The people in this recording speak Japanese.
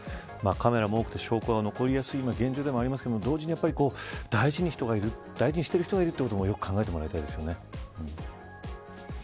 カメラも多くて証拠も残りやすいのですが同時に大事にしている人たちがいるということも考えてほしいですね。